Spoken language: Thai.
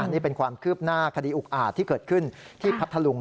นี่เป็นความคืบหน้าคดีอุกอาจที่เกิดขึ้นที่พัทธลุง